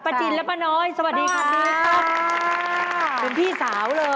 ป้าจินและป้าน้อยสวัสดีครับ